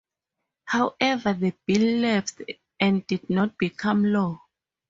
However the bill lapsed, and did not become law.